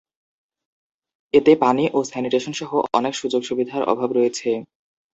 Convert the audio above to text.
এতে পানি ও স্যানিটেশন সহ অনেক সুযোগ-সুবিধার অভাব রয়েছে।